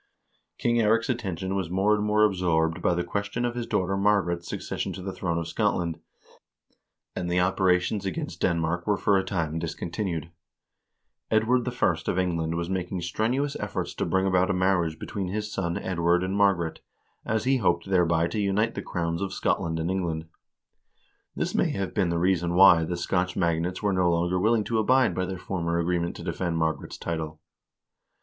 King Eirik's attention was more and more absorbed by the ques tion of his daughter Margaret's succession to the throne of Scotland, and the operations against Denmark were for a time discontinued. Edward I. of England was making strenuous efforts to bring about a marriage between his son Edward and Margaret, as he hoped thereby to unite the crowns of Scotland and England. This may have been the reason why the Scotch magnates were no longer will ing to abide by their former agreement to defend Margaret's title.